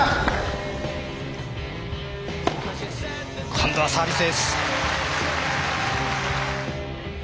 今度はサービスエース。